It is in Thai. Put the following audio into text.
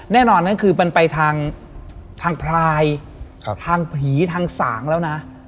แน่นอนก็คือมันไปทางพลายทางผีทางส่างแล้วนะ